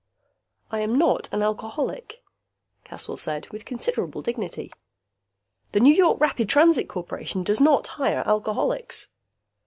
"I am not an alcoholic," Caswell said, with considerable dignity. "The New York Rapid Transit Corporation does not hire alcoholics."